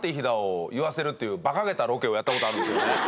っていうばかげたロケをやったことあるんですよ。